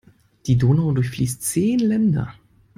Die Donau durchfließt zehn Länder.